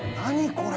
これ。